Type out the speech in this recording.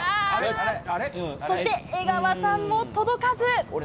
そして、江川さんも届かず。